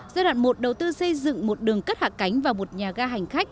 giai đoạn một đầu tư xây dựng một đường cất hạ cánh và một nhà ga hành khách